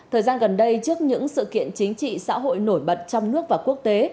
thời gian gần đây trước những sự kiện chính trị xã hội nổi bật trong nước và quốc tế